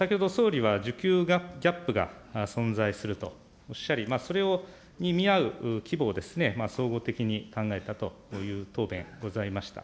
先ほど総理はじゅきゅうギャップが存在するとおっしゃり、それに見合う規模を総合的に考えたという答弁ございました。